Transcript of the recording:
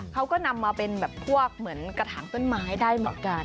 เขาก็นำมาเป็นแบบพวกเหมือนกระถางต้นไม้ได้เหมือนกัน